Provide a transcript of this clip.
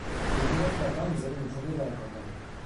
le dimanche matin nous allons nous promener à la campagne.